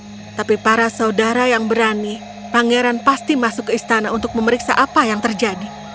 tapi para saudara yang berani pangeran pasti masuk ke istana untuk memeriksa apa yang terjadi